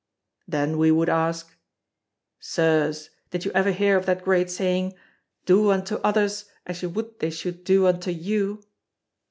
Then, we would ask: "Sirs, did you ever hear of that great saying: 'Do unto others as ye would they should do unto you!'"